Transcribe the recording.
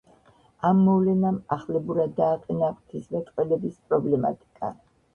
ამ მოვლენამ ახლებურად დააყენა ღვთისმეტყველების პრობლემატიკა.